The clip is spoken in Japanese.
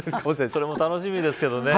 それも楽しみですけどね。